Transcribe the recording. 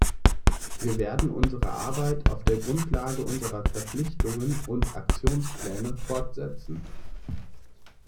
Wir werden unsere Arbeit auf der Grundlage unserer Verpflichtungen und Aktionspläne fortsetzen.